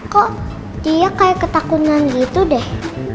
kok iya kayak ketakutan gitu deh